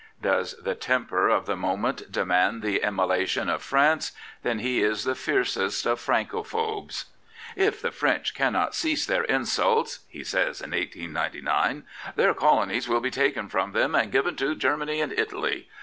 Does the temper of the moment demand the imm<)j^a ^ tion of France, then he is the fiercest of Francophobes : If the French cannot cease their insults (he says in 1899)* their Colonies will be taken from them and given to Germany and Italy.